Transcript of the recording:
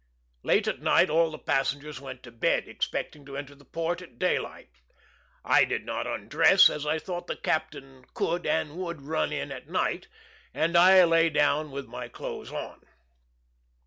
Late at night all the passengers went to bed, expecting to enter the port at daylight. I did not undress, as I thought the captain could and would run in at night, and I lay down with my clothes on.